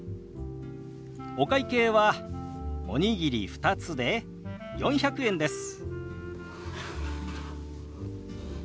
お会計はおにぎり２つで４００円です。